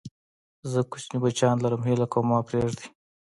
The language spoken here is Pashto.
زه کوچني بچيان لرم، هيله کوم ما پرېږدئ!